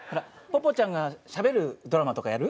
ぽぽちゃんがしゃべるドラマとかやる？